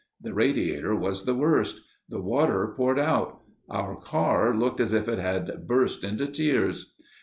The radiator was the worst. The water poured out. Our car looked as if it had burst into tears.